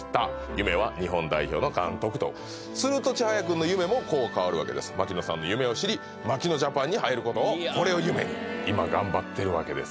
夢は日本代表の監督とするとちはやくんの夢もこう変わるわけです「槙野さんの夢を知り槙野ジャパンに入ること」をこれを夢に今頑張ってるわけです